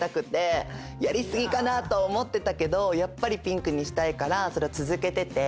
やり過ぎかなと思ってたけどやっぱりピンクにしたいからそれを続けてて。